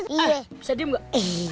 bisa diem gak